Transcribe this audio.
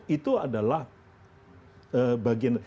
itu adalah bagian